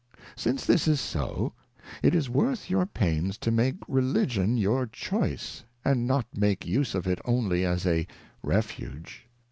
Since this is so, it is worth your pains to make Religion your choice, and not make use of it only as a Refuge.